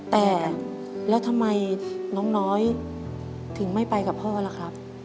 แต่แล้วทำไมน้องน้อยถึงไม่ไปกับพ่อล่ะครับ